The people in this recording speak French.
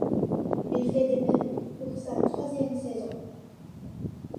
Il fait de même pour sa troisième saison.